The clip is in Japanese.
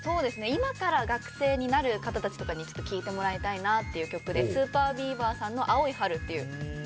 今から学生になる方たちとかに聴いてもらいたいなって曲でＳＵＰＥＲＢＥＡＶＥＲさんの『青い春』っていう。